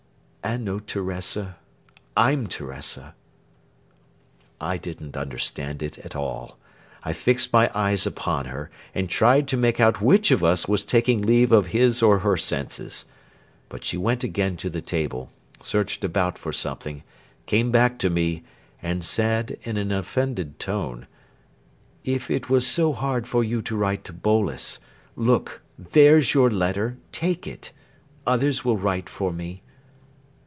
"And no Teresa. I'm Teresa." I didn't understand it at all. I fixed my eyes upon her, and tried to make out which of us was taking leave of his or her senses. But she went again to the table, searched about for something, came back to me, and said in an offended tone: "If it was so hard for you to write to Boles, look, there's your letter, take it! Others will write for me."